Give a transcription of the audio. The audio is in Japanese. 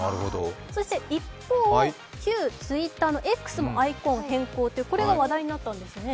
そして一方、旧ＴｗｉｔｔｅｒのＸもアイコン変更、これが話題になったんですね。